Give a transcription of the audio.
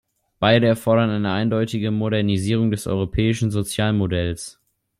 Beide erfordern eine eindeutige Modernisierung des europäischen Sozialmodells.